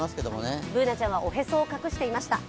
Ｂｏｏｎａちゃんはおへそを隠していました。